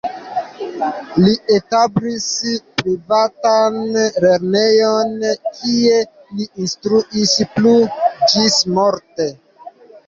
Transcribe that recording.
Li establis privatan lernejon, kie li instruis plu ĝismorte.